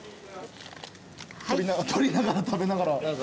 撮りながら食べながら。